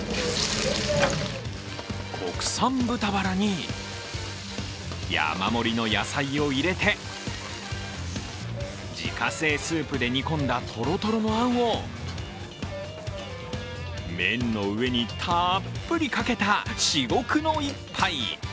国産豚バラに、山盛りの野菜を入れて自家製スープで煮込んだとろとろのあんを麺の上にたっぷりかけた至極の一杯。